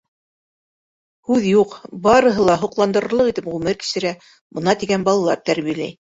Һүҙ юҡ, барыһы ла һоҡландырырлыҡ итеп ғүмер кисерә, бына тигән балалар тәрбиәләй.